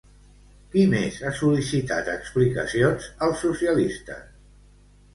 Qui més ha sol·licitat explicacions als socialistes?